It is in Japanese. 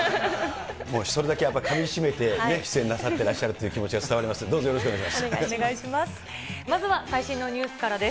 それだけやっぱりかみしめて、出演なさってらっしゃるという気持ちが伝わりますが、どうぞよろお願いします。